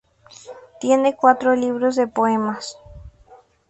Tiene cuatro libros de poemas.